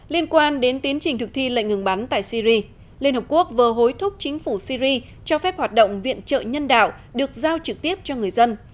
liên quan đến tiến trình thực thi lệnh ngừng bắn tại syri liên hợp quốc vừa hối thúc chính phủ syri cho phép hoạt động viện trợ nhân đạo được giao trực tiếp cho người dân